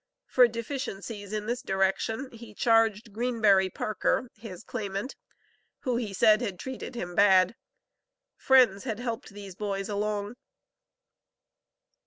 For deficiencies in this direction, he charged Greenberry Parker, his claimant, who he said had treated him "bad." Friends had helped these boys along.